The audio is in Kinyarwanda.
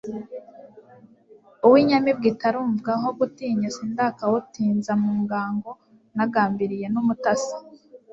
Uwo inyamibwa itarumvwaho gutinya, sindakawutinza mu ngango nagambiliye n'umutasi,